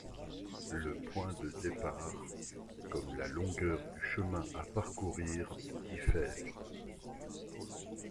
Le point de départ, comme la longueur du chemin à parcourir diffèrent.